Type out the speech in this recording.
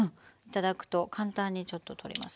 頂くと簡単にちょっと取れます。